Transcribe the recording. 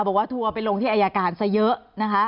ทัวร์ไปลงที่อายการซะเยอะนะคะ